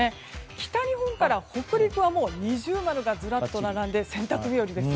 北日本から北陸は二重丸がずらっと並んで洗濯日和です。